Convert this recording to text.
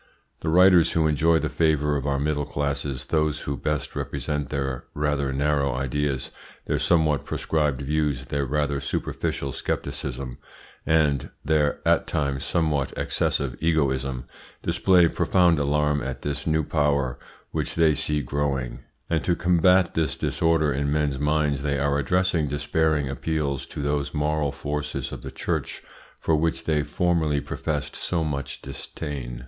The writers who enjoy the favour of our middle classes, those who best represent their rather narrow ideas, their somewhat prescribed views, their rather superficial scepticism, and their at times somewhat excessive egoism, display profound alarm at this new power which they see growing; and to combat the disorder in men's minds they are addressing despairing appeals to those moral forces of the Church for which they formerly professed so much disdain.